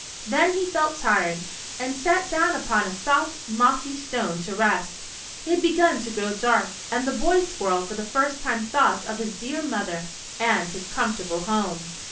Then he felt tired, and sat down upon a soft mossy stone to rest. It had beo^un to orrow dark, and the bov squirrel for the first time thought of his dear mother and his comfortable home.